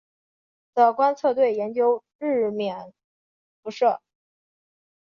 的观测队研究日冕辐射。